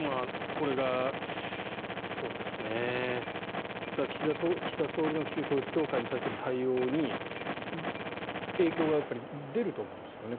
これが岸田総理の旧統一教会に対する対応に影響がやっぱり出ると思うんですよね。